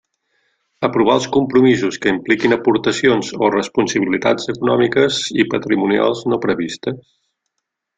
Aprovar els compromisos que impliquin aportacions o responsabilitats econòmiques i patrimonials no previstes.